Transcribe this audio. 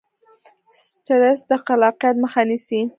سټرس د خلاقیت مخه نیسي.